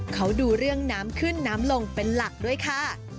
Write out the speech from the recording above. เขาดูเรื่องน้ำขึ้นน้ำลงเป็นหลักด้วยค่ะ